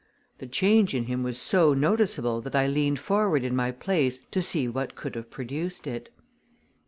The change in him was so noticeable that I leaned forward in my place to see what could have produced it.